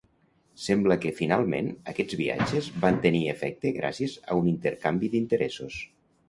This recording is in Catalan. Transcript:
Sembla que, finalment, aquests viatges van tenir efecte gràcies a un intercanvi d’interessos.